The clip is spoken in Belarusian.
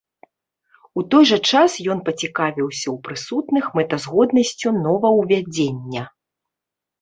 У той жа час ён пацікавіўся ў прысутных мэтазгоднасцю новаўвядзення.